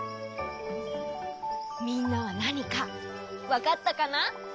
みんなはなにかわかったかな？